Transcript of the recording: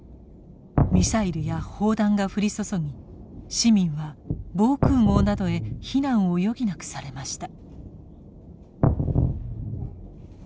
ミサイルや砲弾が降り注ぎ市民は防空壕などへ避難を余儀なくされました。